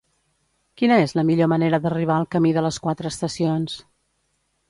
Quina és la millor manera d'arribar al camí de les Quatre Estacions?